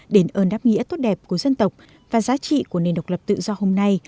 đền ơn đáp nghĩa tốt đẹp của dân tộc và giá trị của nền độc lập tự do hôm nay